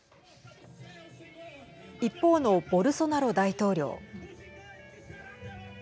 一方のボルソナロ大統領。